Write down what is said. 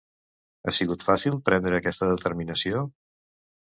Ha sigut fàcil prendre aquesta determinació?